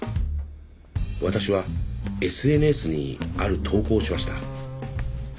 私はＳＮＳにある投稿をしました。